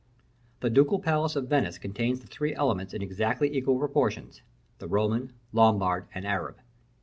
The Ducal palace of Venice contains the three elements in exactly equal proportions the Roman, Lombard, and Arab.